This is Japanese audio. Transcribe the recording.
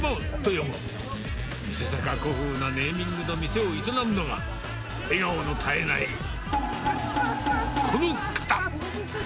いささか古風なネーミングの店を営むのが、笑顔の絶えないこの方。